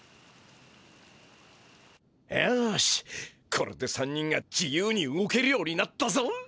よしこれで３人が自由に動けるようになったぞ。